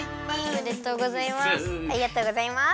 おめでとうございます。